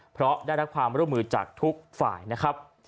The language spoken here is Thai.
เพราะได้รับความร่วมมือจากทุกฝ่ายนะครับ